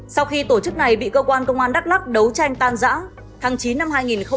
sau khi tổ chức này bị cơ quan công an đắk lắc đấu tranh tan giã tháng chín năm hai nghìn hai mươi ba